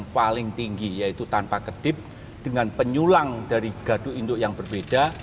paling tinggi yaitu tanpa kedip dengan penyulang dari gado induk yang berbeda